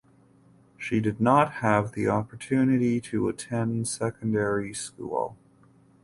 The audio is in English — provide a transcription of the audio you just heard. She did not have the opportunity to attend secondary school.